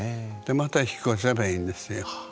また引っ越せばいんですよ。